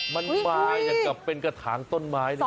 มันมายังเป็นกระถางต้นไม้